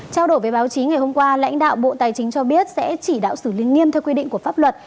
trao đổi với báo chí ngày hôm qua lãnh đạo bộ tài chính cho biết sẽ chỉ đạo xử lý nghiêm theo quy định của pháp luật